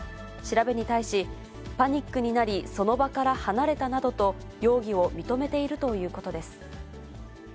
調べに対し、パニックになり、その場から離れたなどと、容疑を認めているということです。